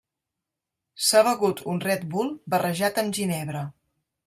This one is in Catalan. S'ha begut un Red Bull barrejat amb ginebra.